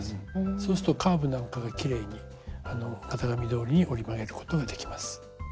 そうするとカーブなんかがきれいに型紙どおりに折り曲げることができます。